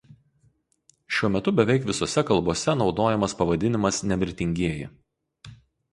Šiuo metu beveik visose kalbose naudojamas pavadinimas "Nemirtingieji".